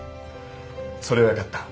それはよかった。